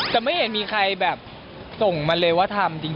แต่ไม่เห็นมีใครแบบส่งมาเลยว่าทำจริง